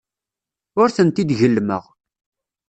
Ur tent-id-gellmeɣ.